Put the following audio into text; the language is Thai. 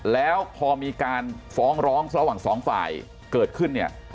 แล้วพอมีการฟ้องร้องระหว่างสองฝ่ายเกิดขึ้นเนี่ย